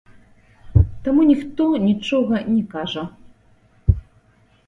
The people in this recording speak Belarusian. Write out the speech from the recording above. Таму ніхто нічога не кажа.